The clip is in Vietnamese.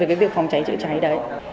cái việc phòng cháy chữa cháy đấy